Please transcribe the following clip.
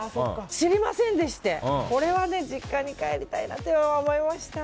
知りませんでしてこれは実家に帰りたいなと思いました。